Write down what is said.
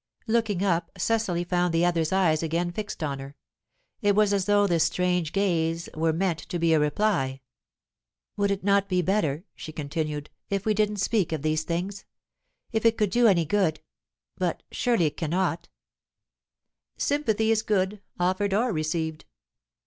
Looking up, Cecily found the other's eyes again fixed on her. It was as though this strange gaze were meant to be a reply. "Would it not be better," she continued, "if we didn't speak of these things? If it could do any good But surely it cannot." "Sympathy is good offered or received."